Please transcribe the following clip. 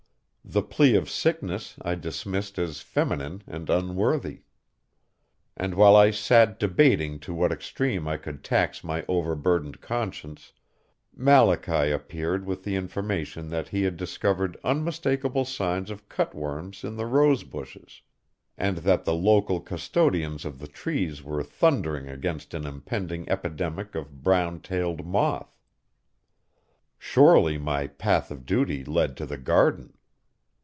The plea of sickness I dismissed as feminine and unworthy. And while I sat debating to what extreme I could tax my over burdened conscience, Malachy appeared with the information that he had discovered unmistakable signs of cutworms in the rose bushes, and that the local custodians of the trees were thundering against an impending epidemic of brown tailed moth. Surely my path of duty led to the garden.